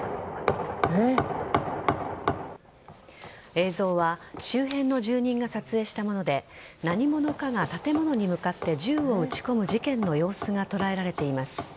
映像は周辺の住人が撮影したもので何者かが建物に向かって銃を撃ち込む事件の様子が捉えられています。